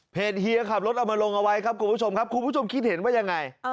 เพจเฮียขับรถเอามาลงไว้ครับคุณผู้ชมคิดเห็นว่ายังไง